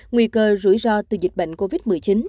nguy cơ rủi ro từ dịch bệnh covid một mươi chín